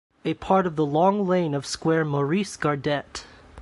A part of the long lane of square Maurice-Gardette.